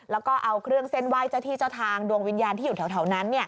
แล้วก็เอาเครื่องเส้นไหว้เจ้าที่เจ้าทางดวงวิญญาณที่อยู่แถวนั้น